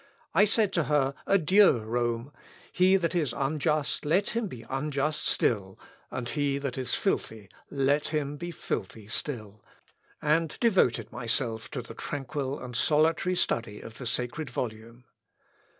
I said to her, 'Adieu, Rome! He that is unjust, let him be unjust still, and he that is filthy, let him be filthy still;' and devoted myself to the tranquil and solitary study of the sacred volume.